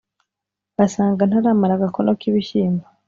basanga ntaramara agakono k’ibishyimbo,